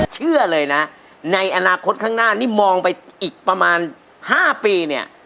เชื่อเลยนะในอนาคตข้างหน้านี่มองไปอีกประมาณ๕ปีเนี่ย